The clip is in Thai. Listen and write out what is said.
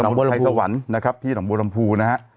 นำบูแลชาวัญนะครับที่นำบูลลำภูห์นะฮะ